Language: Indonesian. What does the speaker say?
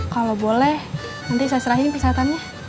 kalau boleh nanti saya serahin persyaratannya